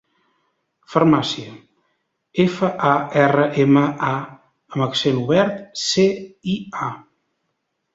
Farmàcia: efa, a, erra, ema, a amb accent obert, ce, i, a.